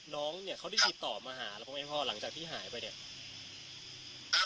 น้องเนี้ยเขาได้จีบตอบมาหาหลังจากที่หายไปเนี้ยอ่า